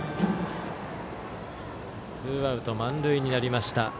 ツーアウト、満塁になりました。